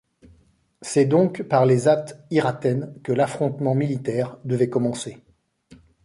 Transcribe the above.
C'est donc par les Ath Irathen que l'affrontement militaire devait commencer.